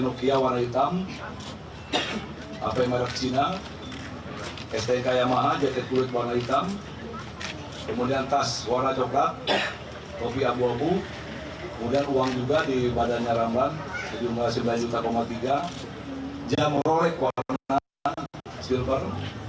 nokia warna hitam hp merk cina stk yamaha jaket kulit warna hitam kemudian tas warna coklat topi abu abu kemudian uang juga di badannya ramban sejumlah rp sembilan tiga juta jam rorek warna silver